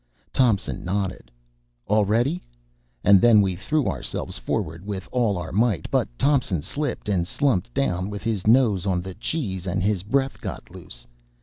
Thompson nodded "All ready," and then we threw ourselves forward with all our might; but Thompson slipped, and slumped down with his nose on the cheese, and his breath got loose.